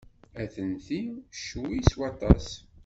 Atenti ccwi s waṭas.